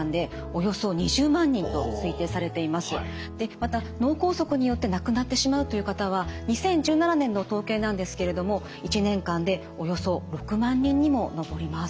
また脳梗塞によって亡くなってしまうという方は２０１７年の統計なんですけれども１年間でおよそ６万人にも上ります。